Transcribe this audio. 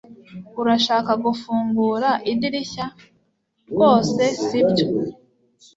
urashaka gufungura idirishya? rwose sibyo